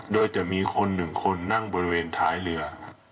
โดยจะมีคนหนึ่งคนนั่งบริเวณท้ายเรือ